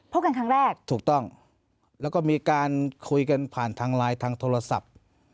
พบกันครั้งแรกถูกต้องแล้วก็มีการคุยกันผ่านทางไลน์ทางโทรศัพท์